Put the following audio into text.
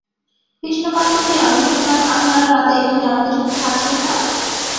কৃষ্ণকান্তজি, আমি শুনলাম আপনারা রাতে এখানে আমাদের সাথে থাকছেন না?